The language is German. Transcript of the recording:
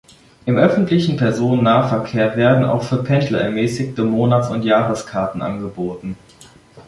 Im öffentlichen Personennahverkehr werden auch für Pendler ermäßigte Monats- und Jahreskarten angeboten.